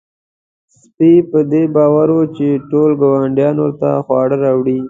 سپی په دې باور و چې ټول ګاونډیان ورته خواړه راوړي.